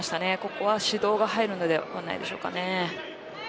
ここは指導が入るのではないでしょうか。